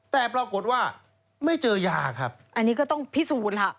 แต่ปรากฏว่าไม่เจอยาครับอันนี้ก็ต้องพิสูจน์ล่ะ